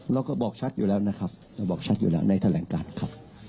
เราก็บอกชัดอยู่แล้วนะครับเราบอกชัดอยู่แล้วในแถลงการครับ